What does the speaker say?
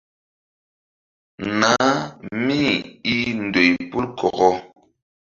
Nah míi ndoy pol kɔkɔ.